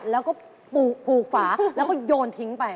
แล้วก็ปลูกฝาแล้วก็โยนทิ้งไป